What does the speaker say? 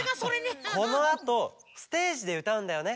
このあとステージでうたうんだよね。